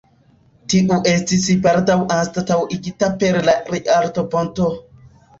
Tiu estis baldaŭ anstataŭigita per la Rialto-ponto.